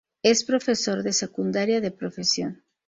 Es profesor de secundaria de profesión.